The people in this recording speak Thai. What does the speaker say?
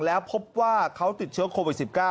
แล้วพบว่าเขาติดเชื้อโควิด๑๙